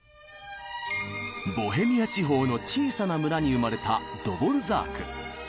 ボヘミア地方の小さな村に生まれたドボルザーク。